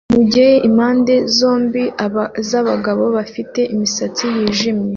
mugihe impande zombi zabagabo bafite imisatsi yijimye